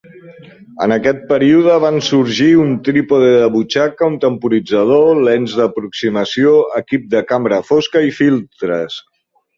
En aquest període van sorgir un trípode de butxaca, un temporitzador, lents d'aproximació, equip de cambra fosca i filtres.